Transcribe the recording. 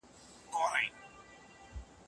کتابتون ته ولاړ سه او ګټور کتاب غوره کړه.